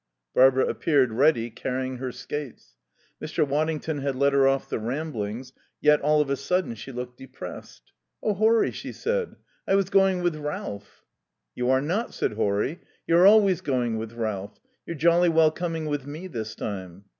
Barbara appeared, ready, carrying her skates. Mr. Waddington had let her off the Ramblings, yet, all of a sudden, she looked depressed. "Oh, Horry," she said, "I was going with Ralph." "You are not," said Horry. "You're always going with Ralph. You're jolly well coming with me this time."